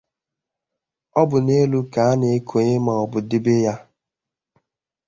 Ọ bụ n'elu ka a na-ekonye maọbụ debe ya